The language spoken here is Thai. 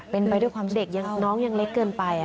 เป็นไปด้วยความเด็กน้องยังเล็กเกินไป